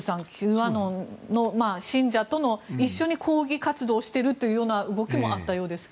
アノンの信者と一緒に抗議活動をしているという動きもあったようですが。